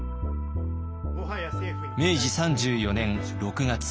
明治３４年６月。